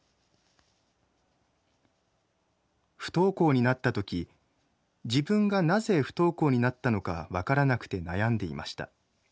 不登校になったとき自分がなぜ不登校になったのか分からなくて悩んでいました。